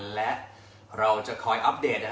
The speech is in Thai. และเราจะคอยอัปเดต